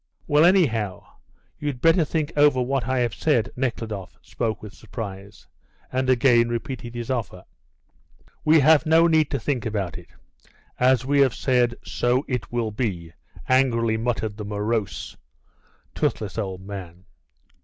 "Well, anyhow, you'd better think over what I have said." Nekhludoff spoke with surprise, and again repeated his offer. "We have no need to think about it; as we have said, so it will be," angrily muttered the morose, toothless old man.